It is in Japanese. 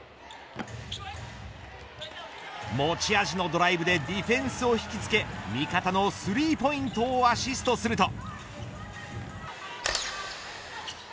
持ち味のドライブでディフェンスを引きつけ味方のスリーポイントをアシストすると。